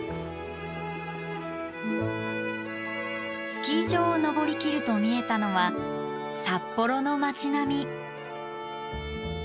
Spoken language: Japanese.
スキー場を登りきると見えたのは札幌の街並み。